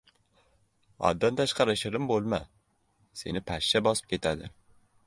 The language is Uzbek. • Haddan tashqari shirin bo‘lma ― seni pashsha bosib ketadi.